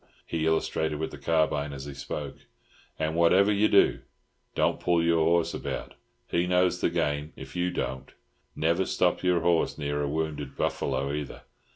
He illustrated with the carbine as he spoke. "And whatever you do, don't pull your horse about; he knows the game, if you don't. Never stop your horse near a wounded buffalo, either.